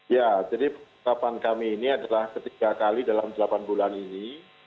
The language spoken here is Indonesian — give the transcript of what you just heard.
ya jadi pengungkapan kami ini adalah ketiga kali dalam delapan bulan ini